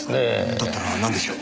だったらなんでしょう？